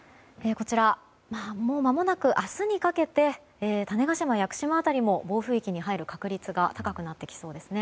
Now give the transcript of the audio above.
もう間もなく明日にかけて種子島、屋久島辺りも暴風域に入る確率が高くなってきそうです。